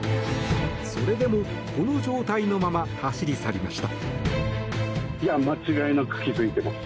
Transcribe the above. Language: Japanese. それでも、この状態のまま走り去りました。